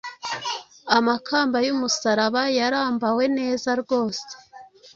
amakamba y’umusaraba yarambawe neza rwose.